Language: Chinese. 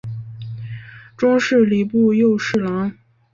终仕礼部右侍郎。